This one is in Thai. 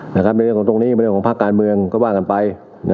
ในเรื่องของตรงนี้เป็นเรื่องของภาคการเมืองก็ว่ากันไป